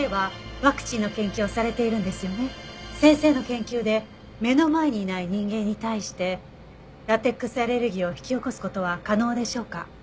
先生の研究で目の前にいない人間に対してラテックスアレルギーを引き起こす事は可能でしょうか？